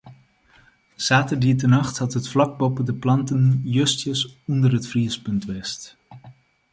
Saterdeitenacht hat it flak boppe de planten justjes ûnder it friespunt west.